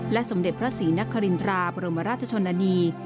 สมเด็จพระศรีนครินทราบรมราชชนนานี